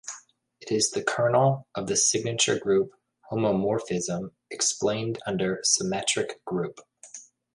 It is the kernel of the signature group homomorphism explained under symmetric group.